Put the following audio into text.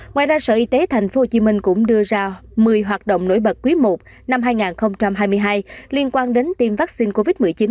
ngoài ra sở y tế tp hcm cũng đưa ra một mươi hoạt động nổi bật quý i năm hai nghìn hai mươi hai liên quan đến tiêm vaccine covid một mươi chín